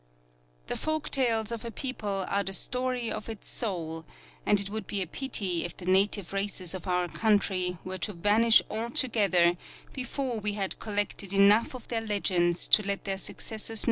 The folk tales of a people are the story of its soul, and it would be a pity if the native races of our country were to vanish altogether before we had collected enough of their legends to let their successors know 14515.